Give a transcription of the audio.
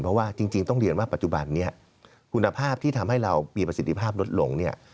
เพราะว่าจริงต้องเรียนว่าปัจจุบันนี้คุณภาพที่ทำให้เรามีประสิทธิภาพลดลงเนี่ย